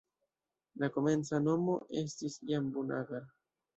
La komenca nomo estis "Jambu-Nagar".